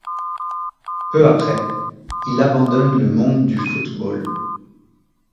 Peu après, il abandonne le monde du football.